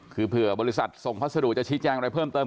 คือเผื่อบริษัทส่งพัสดุจะชี้แจงอะไรเพิ่มเติม